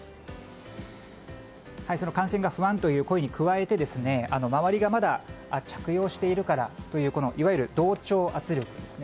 その感染が不安という声に加えて周りがまだ着用しているからといういわゆる同調圧力ですね。